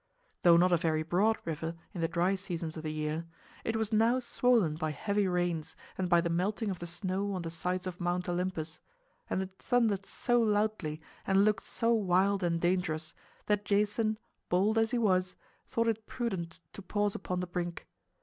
Though not a very broad river in the dry seasons of the year, it was now swollen by heavy rains and by the melting of the snow on the sides of Mount Olympus; and it thundered so loudly and looked so wild and dangerous that Jason, bold as he was, thought it prudent to pause upon the brink.